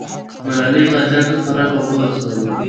ملالۍ غازیانو ته خوراک او اوبه رسولې.